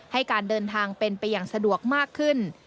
ให้การเดินทางเป็นไปอย่างสะดวกมากขึ้น